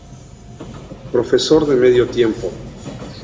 Profesor de Medio Tiempo